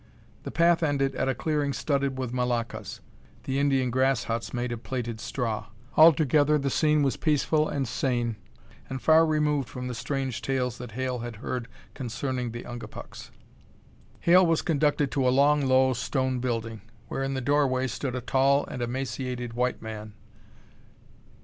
The path ended at a clearing studded with moloccas, the Indian grass huts made of plaited straw. Altogether the scene was peaceful and sane and far removed from the strange tales that Hale had heard concerning the Ungapuks. Hale was conducted to a long, low stone building, where, in the doorway, stood a tall and emaciated white man.